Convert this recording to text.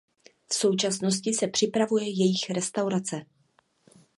V současnosti se připravuje jejich restaurace.